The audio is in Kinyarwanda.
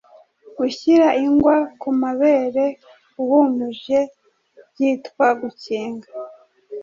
Gushyira ingwa ku mabere uhumuje byitwa Gukinga